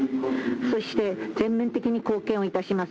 そして、全面的に貢献をいたします。